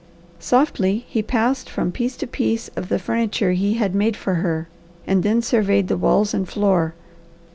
Softly he passed from piece to piece of the furniture he had made for her, and then surveyed the walls and floor.